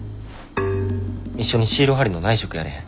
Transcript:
一緒にシール貼りの内職やらへん？